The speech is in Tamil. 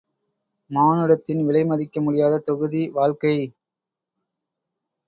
மானுடத்தின் விலை மதிக்க முடியாத தொகுதி, வாழ்க்கை.